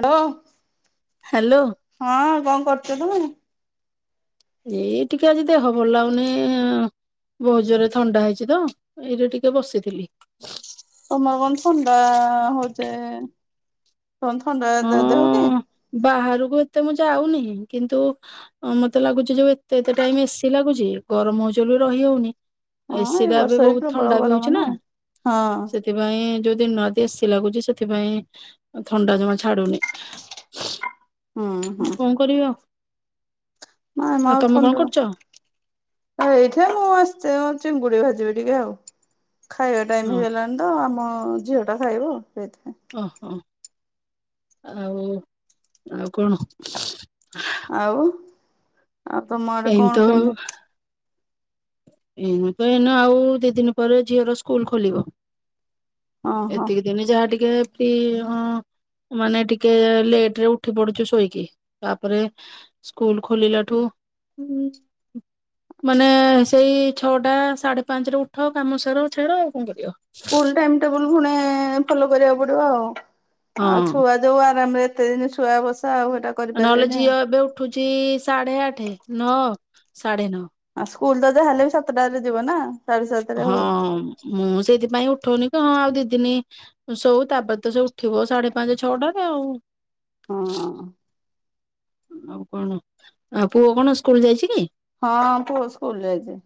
Hello. Hello ହଁ କଣ କରୁଛ ତମେ? ଏଇ ଟିକେ ଆଜି ଦେହ ଭଲ ଲାଗନି ଭୋଉଜୋରେ ଥଣ୍ଡା ହେଇଛି ତ ଏଇଠେ ଟିକେ ବସିଥିଲି। ତମର କଣ ଥଣ୍ଡା ହୋଉଚେ ତମର ଥଣ୍ଡା ଦେହକି? ହଁ ବାହାରକୁ ଏତେ ମୁଁ ଯାଉନି କିନ୍ତୁ ମତେ ଲାଗୁଛି ଯୋଉ ଏତେ ଏତେ ଟାଇମ ଏସି ଲାଗୁଛି ଗରମ ହଉଚି ବୋଲି ରହି ହେଉନି । ହଁ ଏସି ଏଇ ଟା ବି ବର୍ଷା ବହୁତ ପ୍ରବଳ ଥଣ୍ଡା ବି ହଉଛି ଗରମ ନା ହଁ ସେଥିପାଇଁ ଯୋ ନା ଦୀ ଏସୀ ଲାଗୁଚି ସେଥିପାଇଁ ଥଣ୍ଡା ଜମା ଛାଡ଼ୁନି କଣ କରିବ? ନା ମ ଆଉ ଥଣ୍ଡା କରୁଛ ଏଇଠି ମୁଁ ଆସିଚେ ଅ ଚିଙ୍ଗୁଡି ଭାଜିବେ ଟିକେ ଆଉ ଖାଇବା ଟାଇମ ହଁ ହେଇଗଲାଣି ତ ଆମ ଝିଅଟା ଖାଇବ ସେଇଠି ଓହୋ ଆଉ ଆଉ କଣ? ଆଉ ଆଉ ତମର ଏମତି କଣ କେମିତି? ଏଇନା ପା ଏଇନା ଆଉ ଦି ଦିନ୍ ପରେ ଝିଅର ସ୍କୁଲ୍ ଖୋଲିବ । ଓହୋ। ଏତିକି ଦିନ ଯାହା ଟିକେ ଟେ କି ହଁ ମାନେ ଟିକେ ଲେଟ୍ ରେ ଉଠି ପଡୁଚି ସୋଇକି ତାପରେ ସ୍କୁଲ୍ ଖୋଲିଲାଠୁ ମାନେ ସେଇ ଛଅଟା ସାଢ଼େ ପାଞ୍ଚରେ ଉଠ କାମ ସାର ଛାଡ଼ ଆଉ କଣ କରିବ। ସ୍କୁଲ ଟାଇମ ଟେବୁଲ ପୁଣି ଭଲ କରିବାକୁ ପଡିବ ଆଉ। ଆଉ ହଁ ଛୁଆ ଯଉ ଆରାମରେ କେତେଦିନ ସୁଆ ବସା ଆଉ ହେଟା ନ ହେଲେ କରିପାରିବେନି ଆଉ। ଝିଅ ଏବେ ଉଠୁଛି ସା ସାଢ଼େ ଆଠ ନଅ ସାଢ଼େ ନଅ। ଆଉ ସ୍କୁଲ ତ ଯାହା ହେଲେ ବି ସାତଟାରେ ଯିବ ନା। ସାଢେ ସାତଟାରେ ହଁ ହଉ ମୁଁ ସେଇଥିପାଇଁ ଉଠଉନି। ହଁ ଆଉ ଦି ଦିନି ଶୋଉ ତାପରେ ତ ସେ ଉଠିବ ସାଢେ ପାଞ୍ଚ ଛଅଟାରେ ଆଉ। ହଁ। ଆଉ କଣ ଆଉ ପୁଅ କଣ ସ୍କୁଲ ଯାଇଛି କି? ହଁ ପୁଅ ସ୍କୁଲ ଯାଇଛି।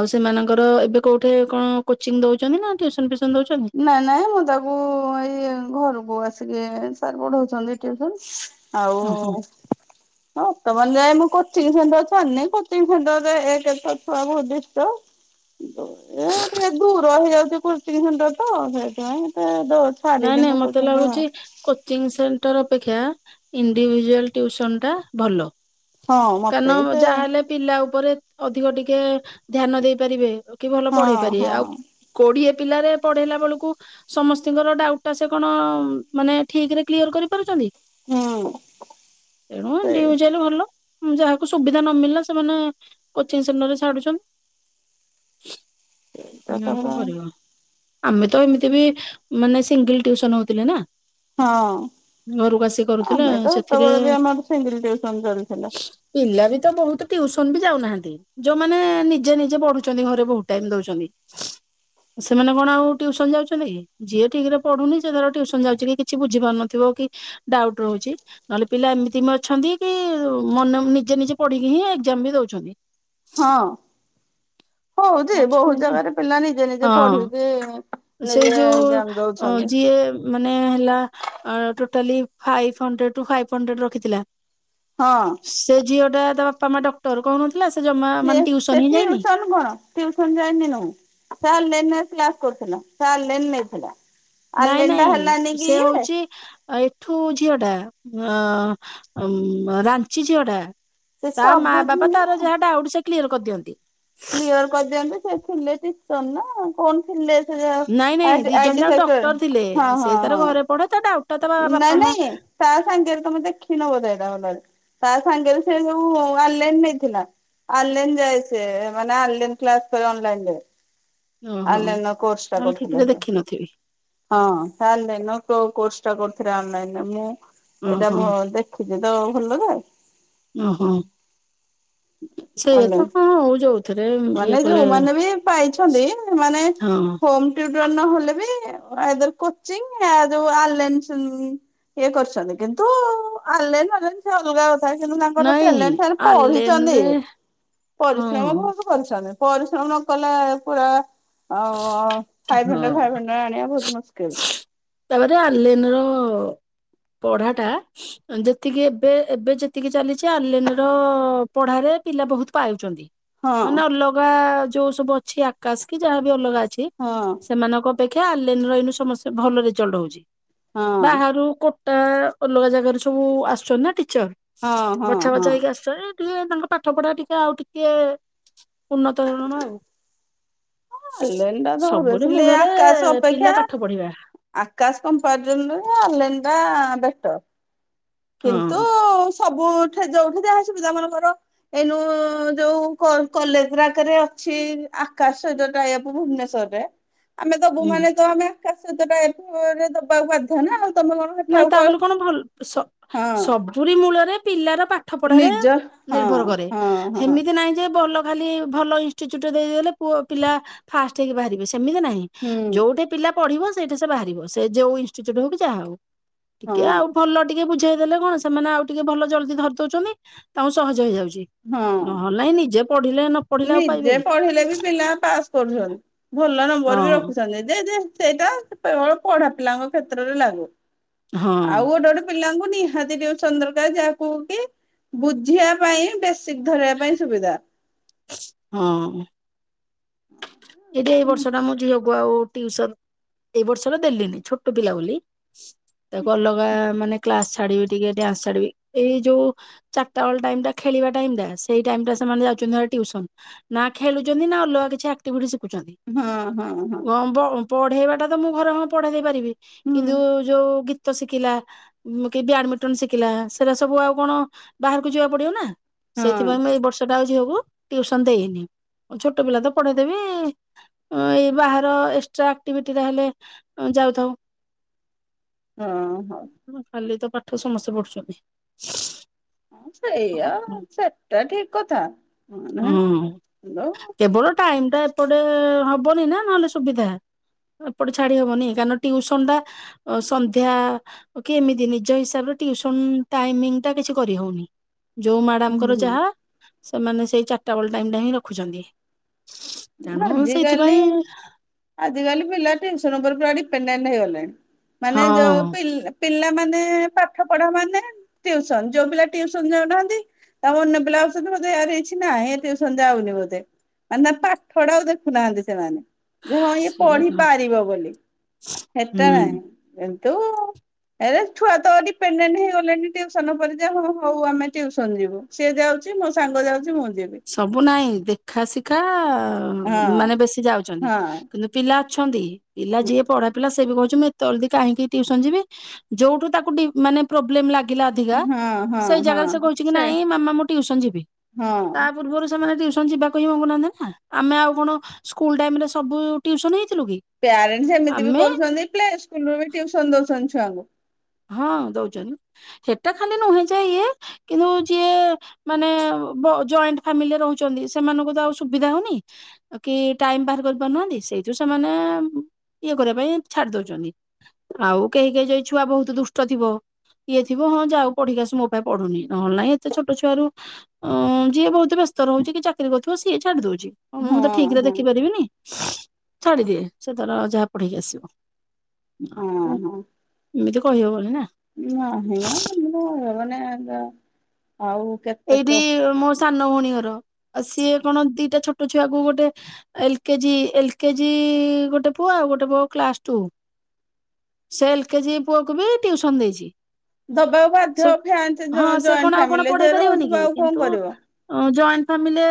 ଆଉ ସେମାନଙ୍କର ଏବେ କୋଉଠି କଣ କୋଚିଙ୍ଗ ଦଉଛନ୍ତି ନା ଟ୍ୟୁସନ୍ ଫ୍ୟୁ ନାଇଁ ନାଇଁ ମୁଁ ତାକୁ ଏଇ ଘରକୁ ପୁଅ ଆସିକି ସାର୍ ପଢ଼ଉଛନ୍ତି ଟ୍ୟୁସନ ଓହୋ ଆଉ ହଁ ତ ମନେ ଯାଏ ମୁଁ କୋଚିଙ୍ଗ ସେଣ୍ଟର ଛାଡିନି ପ୍ରତି ଘଣ୍ଟାରେ ଏକେରେ ତ ଛୁଆ ବହୁତ ଡିଷ୍ଟଭ୍ ଏ ଟିକେ ଦୂର ହେଇଯାଉ କରୁଛି କିନ୍ତୁ ଡ ତ ସେଇଥି ପାଇଁ ତା ନାଇଁ ନାଇଁ ମତେ ଲାଗୁଛି କୋଚିଙ୍ଗ୍ ସେ ସେଣ୍ଟ୍ ର ଅପେକ୍ଷା ଇଣ୍ଡିଭିଜୁଆଲ୍ ଟିଉସନ୍ ଟା ଭଲ। ହଁ ମତେ କାନ ବି ସେ ଯାହା ହେଲେ ପିଲା ଉପରେ ଅଧିକ ଟିକେ ଧ୍ୟାନ ଦେଇପାରିବେ ଆଉ କି ଭଲ ପଢେଇ ହଁ ପାରିବେ ହଁ ଆଉ କୋଡିଏ ପିଲାଗୁରାକୁ ପଢେଇଲା ବେଳୁକୁ ସମ ସ୍ତି ଙ୍କର ଡାଉଟ୍ ଟା ସେ କଣ ମାନେ ଠିକ୍ ରେ କ୍ଲିୟର କରିପାରୁଛନ୍ତି। ହୁଁ ତେଣୁ ସେଇ ଇଣ୍ଡିଭିଜୁଆଲ୍ ଭଲ। ଯାହାକୁ ସୁବିଧା ନ ମିଳିଲା ସେମାନେ କୋଚିଙ୍ଗ୍ ସେଣ୍ଟର ରେ ଛାଡୁଛନ୍ତି। ହଁ କଥା ଆଉ କଣ ପରା କରିବ। ଆମେ ତ ଏମିତି ବି ମାନେ ସିଙ୍ଗଲ୍ ଟିଉସନ୍ ହଉଥିଲେ ନା। ହଁ ଘରକୁ ଆସି କରୁଥିଲେ ଆମେ ତ ସେଥିରେ ସେତେବେଳେ ବି ଆମର ସିଙ୍ଗିଲ୍ ଟ୍ୟୁସନ୍ ଚାଲିଥିଲା। ପିଲା ବି ତ ବହୁତ ଟିଉସନ୍ ବି ଯାଉନାହାନ୍ତି ଯୋଉମାନେ ନିଜେ ନିଜେ ପଢୁଛନ୍ତି ଘରେ ବହୁତ ଟାଇମ୍ ଦଉଛନ୍ତି ସେମାନେ କଣ ଆଉ ଟ୍ୟୁସନ୍ ଯାଉଛନ୍ତି କି? ଯିଏ ଠିକ୍ ରେ ପଢୁନି ସେ ଧର ଟ୍ୟୁସନ୍ ଯାଉଛି କି କିଛି ବୁଝି ପାରୁନଥିବ କି ଡାଉଟ୍ ରହୁଛି ନହେଲେ ପିଲା ଏମିତି ବି ଅଛନ୍ତି କି ମନେ ନିଜେ ନିଜେ ପଢିକି ହିଁ ଏକ୍ଜାମ୍ ବି ଦଉଛନ୍ତି। ହଁ। ହଉଛି ବହୁତ ଅଛନ୍ତି ନା ଜାଗାରେ ପିଲା ନିଜେ ନିଜେ ପଢିକି ହଁ ସେ ନିଜେ ଏକ୍ଜାମ ଯୋଉ ଦଉଛନ୍ତି। ଯିଏ ମାନେ ହେଲା ଟୋଟାଲି ଫାଇଭ୍ ହଣ୍ଡ୍ରେରୁ ଫାଇଭ୍ ହଣ୍ଡ୍ରେଡ୍ ରଖିଥିଲା। ହଁ ସେ ଝିଅ ଟା ତ ତମେ ଡକ୍ଟର କହୁନ ମାନେ ସେ ଜମା ଟୁଇସନ ହିଁ ଯାଇନି? [unintelligible] କରୁଥିଲ ଚାେ ନେଇଥିଲା [unintelligible] ନାଇଁ ଅନଲାଇନ ଟା ନାଇଁ ହେଲାନି କି ସେ ଇଏ ହଉଛି ଏଠୁ ଝିଅ ଟା। ଅ ରାଞ୍ଚି ଝଡା ସେ ତା ମା ସବୁ ବାପା ତାରା ଝିଅ ଯାହା ଡାକଚେ। କ୍ଲିୟର କରିଦିଅନ୍ତି। କ୍ଲିୟର କରିଦିଅନ୍ତୁ ସେ ଥିଲେ ନ ନା କଣ ଥିଲ [unintelligible] ନାଇଁ ନାଇଁ ଦି ଜଣ ଯାକ ଡକ୍ଟର ଥିଲେ ହଁ ସେ ହଁ ତାର ହଁ। ଘରେ ପଢେ ତା। ଟା ତା ବା- ନାଇଁ ବାପା ମା ନାଇଁ ତା ସାଙ୍ଗେରେ ତମେ ଦେଖିନ ବୋଧେ ଏଟ ଭଲରେ । ତା ସାଙ୍ଗରେ ସେ ଯ ଅନଲାଇନ ନେଇଥିଲା ଅନଲାଇ ଯାଏ ସେ ମାନେ ଅନ ଅନ। ଓହୋ ଅନଲାଇନ କୋର୍ସଟା ନହେଲେ କରୁଥିଲା ଠିକରେ ସେ ଦେଖିନଥିବି ହଁ। ଚେଷ୍ଟ କରୁଥିଲେ ଅନାଇନ ମୁଁ [unintelligible] ଏଇଟା ଓହୋ ମୁଁ ଦେଖିଛିି। ଯେ ତ ଭଲ ତ [unintelligible] ଓ ହୋ। ସେ ତ ଆଲାଇନ୍। ହଁ ହଉ ଯଉଥିରେ। ମାନେ ଯୋଉମାନେ ବି ପାଇଛନ୍ତି ସେମାନେ ହଁ ହମ ଲେ ବି କୋଚ ଯୋଉଲାଇ ଇଏ କରୁଛନ୍ତି କିନ୍ତୁ ଆଲାଇନ ସେ ଅଲଗା ଅ। କିନ୍ତୁ ତାଙ୍କର ନାଇଁ ଟ୍ୟାଲେଣ୍ଟ ସେମାନେ ପଢିଛନ୍ତି ଆଲେନରେ ପରିଶ୍ରମ ହଁ ପରିଶ୍ରମ ନକଲେ ପୁରା ଆ ଫାଇଭ୍ ହଣ୍ଡ୍ରେଡ ହଁ ଫାଇଭ ହଣ୍ଡ୍ରେଡ ଆଣିବା ବହୁତ ମୁସ୍କିଲ। ପଢାଟା ଯେତିକି ଏବେ ଏବେ ଯେତିକି ଚାଲିଛି ଆଲିନ ର ପଢାରେ ପିଲା ବହୁତ ପାଉଛନ୍ତି। ହଁ। ମାନେ ଅଲଗା ଯୋଉ ସବୁ ଅଛି ଆକାଶ କି? ଯାହା ବି ଅଲଗା ଅଛି ହଁ ସେମାନଙ୍କ ଅପେକ୍ଷା ଅନଲାଇନ ର ଏଇନା ସମସ୍ତେ ଭଲ ରେଜଲ୍ଟ ହଉଛି। ହଁ ବାହାରୁ କ ତା ଅଲଗା ଜାଗାରେ ସବୁ ଆସୁଛନ୍ତି ନା ଟି ଚର୍ ହଁ ହଁ ବଛା ହଁ। ବଛା ହେଇକି ଆସୁଚ ଟିକେ ତାଙ୍କ ପାଠ ପଢା ଟିକେ ଆଉ ଟିକେ ଉନ୍ନତ ଧରଣ ଆଉ ଆଲେଣ୍ଡା ତ ସବୁରି ଭବେି ମୂଳରେ ଆକାଶ ପିଲା ଅପେକ୍ଷା ପାଠ ପଢିବା ଆକାଶ କମ୍ପ ଆଲେଣ୍ଡା ବେଶ କିନ୍ତୁ ହଁ। । ସବୁଠେ ଯୋଉଠି ଯାହା ସିବିଧା ମାନେକର ଏଇନୁ ଯୋଉ କଲେଜ ଡାକରେ ଅଛି ଆକାଶ ଯୋଉ ଟା ଟପ ଭୁବନେଶ୍ଵର ରେ । ଆମେ ଦବୁ ହୁଁ। ମାନେ ଆମେ କ ହ ନା । ଆକାଶ ତଟା ଏରେ ଦବାକୁ ବାଧ୍ୟ ନା ଆଉ । ନାଇଁ ତା ବୋଲେ କଣ ଭଲ ସ । ହଁ ସବୁରି ମୂଳରେ ପିଲାର। ପାଠ ପଢାରେ ନିଜ ହଁ ନିର୍ଭର କରେ ହଁ ହଁ ସେମିତି ନାଇଁ ଯେ ଭଲ । ଖାଲି ଭଲ ଇନସଟିଚୁଟ ଟେ ଦେଇଦଲେ ପଅ ପିଲା ଫାଷ୍ଟ ହେଇକି ବାହାରିବେ । ସେମିତି ନାହିଁ ହୁଁ ଯୋଉଠି ପିଲା । ପଢିବ ସେଇଟେ ସେ ବାହାରିବ ସେ ଯୋଉ ଇଷ୍ଟିଚ୍ୟୁଟ୍ ହଉ କି ଯାହା ହଉ । ଟିକେ ହଁ ଆଉ ଭଲ ଟିକେ ବୁଝେଇ । ଦେଲେ କଣ ସେମାନେ ଆଉ ଟିକେ ଭଲ ଜଲଦି ଧରି ଦଉଛନ୍ତି ତାଙ୍କୁ ସହଜ ହେଇଯାଉଛି । ହଁ ନହେଲେ ନାଇ ନିଜେ ପଢିଲେ । ନିଜେ ପଢିଲେ ବି ପିଲା ପାସ୍ କରୁଛନ୍ତି । ଉପର ହଁ ବି ରଖୁଛନ୍ତି ଯେ ଯେ ସେଇଟା । କେବଳ ପଢା ପିଲାଙ୍କ କ୍ଷେତ୍ରରେ ଲାଗୁ ହଁ । ଆଉ ଗୋଟେ ଗୋଟେ ପିଲାଙ୍କୁ । ନିହାତି ଯେଉଁ ଚନ୍ଦ୍ରକା ଯାହାକୁ କି ବୁଝିବା ପାଇଁ ବେ ସିକ ଧ ରିବା ପାଇଁ ସୁବିଧା । ହଁ । ଏଇଟା ଏଇ ବର୍ଷଟା ମୋ ଝିଅ କୁ । ଆଉ ଟିଉସନ ଏଇ ବର୍ଷଟା ଦେଲିନି ଛୋଟ ପିଲା ବୋଲି ତାକୁ ଅଲଗା ମାନେ କ୍ଲାସ ଛାଡିବି ଟିକେ ଡିଆନ୍ସ ଛାଡିବି ଏଇ ଯୋଉ ଚାରିଟା ବେଳ ଟାଇମ ଟା ଖେଳିବା ଟାଇମ ଟା ସେଇ ଟାଇମ ଟା ସେମାନେ ଯାଉଛନ୍ତି ଟିଉସନ ନା ଖେଳୁଛନ୍ତି ନା ଅଲଗା କିଛି ଆକ ଟିଭିଟି ସି ଖୁ ଛନ୍ତି ହଁ ହଁ ହଁ ୱ ମ ପଢ଼େଇବାଟା ତ ମୁଁ ଘରେ ହ ପଢ଼େଇ ଦେଇପାରିବି ହୁଁ । କିନ୍ତୁ ଯୋଉ ଗୀ ତ ଶିଖିଲା କି ବ୍ୟାଡମିଣ୍ଟନ ଶିଖିଲା ସେଟା ସବୁ ଆଉ କଣ ବାହାରକୁ ଯିବାକୁ ପଡିବ ନା। ସେଇଥିପାଇଁ ହଁ ମୁଁ ଏଇ ବର୍ଷ । ଝିଅକୁ ଟୁସନ ଦେଇନି ଛୋଟ ପିଲା ତ ପଢେଇ । ଦେବୀ ଏଇ ବାହାର ଏସଟ୍ରା ଆକଟିଭିଟି ରା ହେଲେ ଯାଉଥାଉ । ହଁ ହଉ । ତ ପାଠ ସମସ୍ତେ ପଢୁଛନ୍ତି । ହଁ ସେଇଆ ସେଟା ଠିକ କଥା। ହଁ ହ୍ୟାଲୋ କେବଳ ଟାଇମ ଟା ଏପଟେ ହବନି ନା ନହେଲେ ସୁବିଧା ଏପଟେ ଛାଡି ହବନି କାରଣ ଟ୍ୟୁସନ ଟା ସନ୍ଧ୍ୟା କି ଏମିତି ନିଜ ହିସାବରେ ଟ୍ୟୁସନ ଟାଇମିଙ୍ଗ ଟା କିଛି କରିହଉନି। ଯୋଉ ହୁଁ ମ୍ୟାଡାମଙ୍କର ଯାହା ହୁଁ ସେମାନେ ସେଇ ଚାରିଟା ବେଳେ ଟାଇମ ଟା ହିଁ ରଖୁଛନ୍ତି। ତେଣୁ ଆଜିିକାଲି ସେଇଥିପାଇଁ ଆଜିିକାଲି ପିଲା ଟ୍ୟୁସନ୍ ପୁରା ଡିଫେଣ୍ଡ ହେଇଗଲେଣି। ମାନେ ଯୋଉ ହଁ ପିଲା ପିଲାମାନେ ପାଠ ପଢା ମାନେ ଟ୍ୟୁସନ ଯୋଉ ପିଲା ଟ୍ୟୁସନ ଯାଉନାହାନ୍ତି ତା ଅନ୍ୟ ପିଲା ହଉଛନ୍ତି ବୋଧେଆର କିଛି ନାହିଁ ଏ ଟ୍ୟୁସନ ଯାଉନି ବୋଧେ ମାନେ ପାଠଟାକୁ ଦେଖୁ ନାହାନ୍ତି ସେମାନେ। ଯେ ହଁ ଇଏ ସେଇଆ ତ ପଢିପାରିବ ବୋଲି ହେଟା ହୁଁ। ନାହିଁ। ତୁ ଏରେ ଛୁଆ ତ ଡିପେଣ୍ଡେଣ୍ଟ ହେଇଗଲେଣି ଟ୍ୟୁସନ ଉପରେ ଯା ହଁ ହଉ ଆମେ ଟ୍ୟୁସନ ଯିବୁ ସିଏ ଯାଉଛି ମୋ ସାଙ୍ଗ ଯାଉଛି ମୁଁ ଯିବି ସବୁ ନାହିଁ ଦେଖା ଶିଖା ହଁ ମାନେ ବେଶୀ ଯାଉଛନ୍ତି ହଁ। କିନ୍ତୁ ପିଲା ପିଲା ଅଛନ୍ତି। ପିଲା ଯିଏ ପଢ଼ା ପିଲା ସେ ବି କହୁଚି ଜଲଦୀ କାହିଁକି ଟ୍ୟୁସନ ଯିବି ଯୋଉଠୁ ତାକୁ ମାନେ ପ୍ରୋବଲେମ ଲାଗି ଲାଗିଲା ଅଧିକା ହଁ ହଁ ସେଇ ହଁ ଜାଗାରେ ସେ କହୁଛି କି ନାଇଁ ମାମା ମୁଁ ଟ୍ୟୁସନ ଯିବି। ହଁ। ତା ପୂର୍ବରୁ ସେମାନେ ଟ୍ୟୁ ଟ୍ୟୁସନ ଯିବାକୁ ହିଁ ମଙ୍ଗୁନାହାନ୍ତି ନା ଆମେ ଆଉ କଣ ସ୍କୁଲ ଟାଇମ ରେ ସବୁ ଟ୍ୟୁସନ ହେ ପ୍ୟାରେଣ୍ଟସ ଏମିତି ବି କରୁଛନ୍ତି ପ୍ଲେ ସ୍କୁଲ ରୁ ବି ଟ୍ୟୁସନ ଦଉଛନ୍ତିଛୁ ଛୁଆଙ୍କୁ। ହଁ ଦଉଛନ୍ତି ହେଟା ଖାଲି ନୁହେଁ ଯେ ଇଏ କିନ୍ତୁ ଯିଏ ମାନେ ବ ଜଏଣ୍ଟଫାମିଲିରେ ରହୁଛନ୍ତି ସେମାନଙ୍କୁ ତ ଆଉ ସୁବିଧା ହୋଈକି ଟାଇମ ବାହାର କରିପାରୁନାହାନ୍ତି ସେଇଠୁ ସେମାନେ ଇଏ କରିବା ପାଇଁ ଛାଡି ଦଉଛନ୍ତି ଆଉ କେହି କେହି ଯାଇ ଛୁଆ ବହୁ ଦୁଷ୍ଟ ଥିବ ଇଏ ଥିବ ହଁ ଯାଉ ପଢିକି ଆସୁ ମୋ ପାଖରେ ପଢୁନି ନହେଲେ ନାହିଁ ଏତେ ଛୋଟ ଛୁଆ ର ଯିଏ ବହୁତ ବ୍ୟସ୍ତ ରହୁଛି କି ଚାକିରି କରୁଥିବ ସିଏ ଛାଡି ଦଉଛି। ହଁ ମୁଁ ତ ଠିକରେ ଦେଖିପାରିବିନି। ଛାଡିଦିଏ ସେ ତାର ଯାହା ପଢିକି ଆସିବ। ହଁ ହଁ। ଏଇ ଯୋଉ କହି ହବନି ନା। ନାହିଁ ମ ମାନେ ଆଉ କେତେ ଏଇଠି କ ମୋ ସାନ ଭଉଣୀଙ୍କର ଆଉ ସିଏ କଣ ଦିଟା ଛୋଟ ଛୁଆକୁ ଗୋଟେ ଏଲ କେଜି ଏଲ କେଜି ଗୋଟେ ପୁଅ ଆଉ ଗୋଟେ ପୁଅ କ୍ଲାସ ଟୁ ସେ ଏଲ କେଜି ପୁଅକୁ ବି ଟ୍ୟୁସନ୍ ଦେଇଛି। ଦବାକୁ ସେ ବାଧ୍ୟ୍ୟ [unintelligible] ହଁ ସେ କଣ ଜଏଣ୍ଟ ଆଉ କଣ ଫ୍ୟାମିଲି। ପଢେଇ ରହୁଥିବ ଆଉ କଣ କରିବ? ଫ୍ୟାମିଲି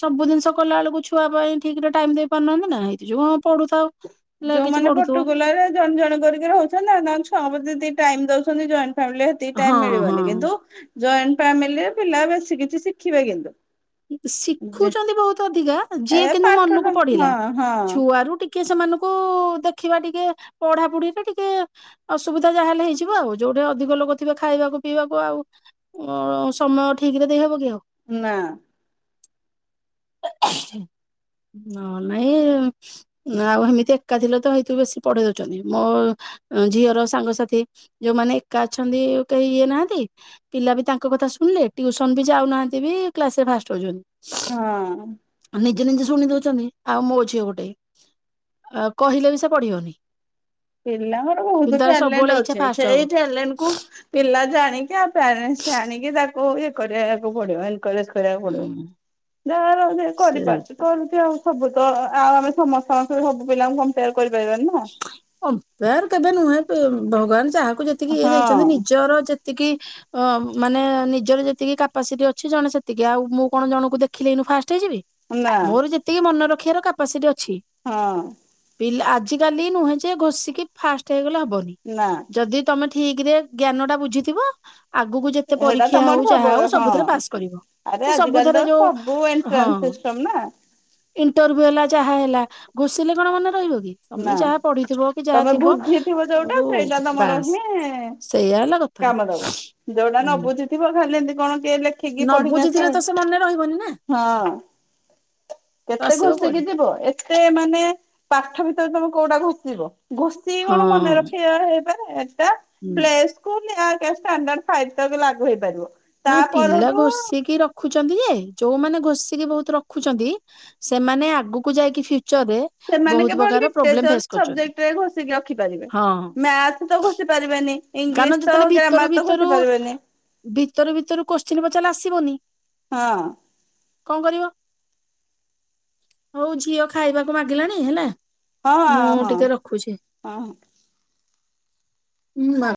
ସବୁ ଜିନିଷ କଲା ବେଳକୁ ଛୁଆ ପାଇଁ ଠିକ ରେ ଟାଇମ ଦେଇ ପାରୁନାହାନ୍ତି ନା ହେଇ ଯୋଗୁ ପଢୁଥାଉ ହେଲେ କିଛି ଯୋଉମାନେ ପଢୁଥିବ ପଟୁଗଲା ପରିକା ଜଣେ ଜଣେ କରିକି ରହୁଛନ୍ତି ତାଙ୍କ ଛୁଆଙ୍କ ପ୍ରତି ଟାଇମ ଦଉଛନ୍ତି ଜଏ ଫ୍ୟାମିଲିରେ ହଁ ହଁ ମିଳିବନି କିନ୍ତୁ ଜଏଣ୍ଟ ଫ୍ୟାମିଲିରେ ପିଲା ବେଶୀ କିଛି ଶିଖିବେ କିନ୍ତୁ। ଯେ ଶିଖୁଛନ୍ତି ବହୁତ ଅଧିକା ଯିଏ ଏ କିନ୍ତୁ ପାଠଟା ମନକୁ ହଁ ପଢିଲା ହଁ ଛୁଆରୁ ଟିକେ କିଏ ସେମାନଙ୍କୁ ଦେଖିବା ଟିକେ ପଢାପଢିରେ ଟିକେ ଅସୁବିଧା ଯାହାେଲେ ହେଇଯିବ ଆଉ ଯୋଉଠି ଅଧିକ ଲୋକ ଥିବେ ଖାଇବାକୁ ପିଇବାକୁ ଆଉ ସମୟ ଠିକ ରେ ଦେଇହବ କି ଆଉ। ନା। ନ ନାଇଁ ଆଉ ଏମିତି ଏକା ଥିଲେ ତ ସେମିତି ବଶି ପଢେଇ ଦଉଛନ୍ତି। ମୋ ଝିଅର ସାଙ୍ଗସାଥି ଯୋଉମାନେ ଏକା ଅଛନ୍ତି କେହି ଇଏ ନାହାନ୍ତି ପିଲା ବି ତାଙ୍କ କଥା ଶୁଣିଲେ ଟିଉସନ ବି ଯାଉନାହାନ୍ତି ବି କ୍ଲାସରେ ଫାଷ୍ଟ ହଉଛନ୍ତି। ହଁ। ଯେ ନିଜେ ଶୁଣି ଦଉଛନ୍ତି। ଆଉ ମୋ ଝିଅ ଗୋଟେ ଆ କହିଲେ ବି ସେ ପଢିବନି। ପପିଲାଙ୍କର ବହୁତ କିନ୍ତୁ ତାର ଟ୍ୟାଲେଣ୍ଟ ସବୁବେଳେ ଇଚ୍ଛା ଅଛି ଫାଷ୍ଟ ହବ ସେଇ ଟ୍ୟାଲେଣ୍ଟ କୁ ପିଲା ଜାଣିକି ଆଉ ପେରେଣ୍ଟସ୍ ଜାଣିକି ତା ଓ ଇଏ କରିବାକୁ ପଡିବ କରିବାକୁ ପଡିବ ହୁଁ ଯାର କରିପାରୁଛି ସେଇଟା କରଛି ଆଉ ସବୁ ତ ଆଉ ଆମେ ସମସ୍ତଙ୍କ ବି ସବୁ ପିଲାଙ୍କୁ କ କରିପାରିବାନି ନା ବା କେବେ ନୁହେଁ ଭଗବାନ ଜାହା କୁ ଯେତିକି ଇଏ ଦେଇଛନ୍ତି ହଁ ନିଜର ଯେତିକି ଅ ମାନେ ନିଜର ଯେତିକି କାପାସିଟି ଅଛି ଜଣେ ସେତିକି ଆଉ ମୁଁ କଣ ଜଣଙ୍କୁ ଦେଖିଲେଏଇନୁ ଫାଷ୍ଟ ନା ମୋର ଯେତିକି ମନ ରଖ ରଖିଆର କପାସିଟି ଅ ଛି ହଁ ପିଲା ଆ ଆଜିକାଲି ନୁହେଁ ଯେ ଘୋଷିକି ଫାଷ୍ଟ ହେଇଗଲା ଵନି ନା ଯଦି ତମେ ଠିକ ରେ ଜ୍ଞାନ ଟା ବୁଝିଥିବ ଆଗକୁ ଯେତେ ସେଇଟା ପରୀକ୍ଷା ତମର ହଉ ଯହା ସବୁ ହଉ ହଁ ସବୁଥିରେ ପାସ୍ କରିବ ଆରେ କି ଆଜିକାଲି ତ ସବୁଥିରେ ଯୋଉ ସବୁ ହଁ ଏଣ୍ଟ୍ରାନ୍ସ ସିଷ୍ଟମ ନା ଇଣ୍ଟରଭିଉ ହେଲା ହେଲା ଘୋଷିଲେ କଣ ମନେ ରହିବ କି? ତମେ ନା ଯାହା ପଢିଥିବ କି ଯାହା ତମେ ଥିବ ବୁଝିଥିବ ଯୋଉଟା ତମକୁ ସେଇଟା ତମର ବାସ୍ ହିଁ ସେଇଆ ହେଲା କଥା କାମ ଦବ ଯୋଉଟା ହୁଁ। ନ ବୁଝିଥିବ ଖାଲି ଏମିତି କଣ ଟେ ଲେଖିକି ନ ପଢିକି ବୁଝିଥିଲେ ଆସିବୁ ତ ସେ ମନେ ରହିବନି ନା ହଁ ତ କେତେ ଆସିବ କୁଆଡେ ଘୋଷିକି ଯିବ ଏତେ ମାନେ ପାଠଵି ତମେ କୋଉଟା ଘଷିବ ଗୋସ୍ତିଏ ହଁ କଣ ମନେ ରଖିବା [unintelligible] ହୁଁ। Play school. ଷ୍ଟାଣ୍ଡାର୍ଡ ଫାଇଭ ଟା ବି ଲାଗୁ ହେଇପାରିବ। ତା ନାଇଁ ପିଲା ପରଠୁ ଘୋଷିକି ରୋଖୁଚନ୍ତି ଯେ ଯୋଉମାନେ ଘୋଷିକି ବହୁତ ରୋଖୁଚନ୍ତି ସେମାନେ ଆଗକୁ ଯାଇକି ଫ୍ୟୁଚରରେ ସେମାନେ ବହୁତ କେବଳ ପ୍ରକାର ପ୍ରୋବ୍ଲେମ ଲିଟ୍ରେଚର ଫେସ୍ କରୁଛନ୍ତି ସବଜେକ୍ଟରେ ଘଷିକି ରଖିପାରିବେ ହଁ ମ୍ୟାଥ ତ ଘୋଷି ପାରିବେନି କାରଣ ଇଂଲିଶ ତ ଯେତେବେଳେ ଭିତରୁ ଗ୍ରାମାର ତ ଘୋଷି ଭିତରୁ ପାରିବେନି ଭିତରୁ ଭିତରୁ କୋତ୍ସିନ୍ ଚାଲ ଆସିବନି ହଁ। କଣ କରିବ? ହୋଉ ଝିଅ ଖାଇବାକୁ ମାଗିଲାଣି ହେଲା ହଁ ମୁଁ ହଁ ଟିକେ ହଁ। ହୁଁ ବା।